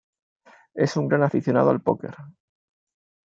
Es un gran aficionado al póker.